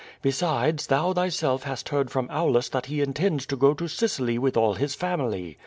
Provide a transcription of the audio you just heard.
Besides, thou thyself hast heard from Aulus that he intends to go to Sicily with all his family.